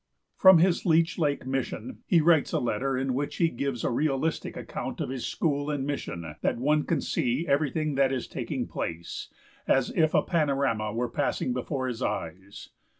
From his Leech lake mission he writes a letter in which he gives such a realistic account of his school and mission that one can see everything that is taking place, as if a panorama was passing before his eyes.